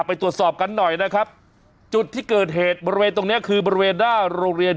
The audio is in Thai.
ไปตรวจสอบกันหน่อยนะครับจุดที่เกิดเหตุบริเวณตรงเนี้ยคือบริเวณหน้าโรงเรียน